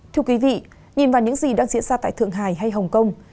thưa quý vị nhìn vào những gì đang diễn ra tại thượng hải hay hồng kông